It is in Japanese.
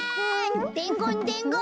でんごんでんごん！